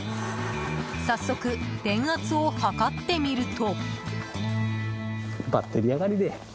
早速、電圧を測ってみると。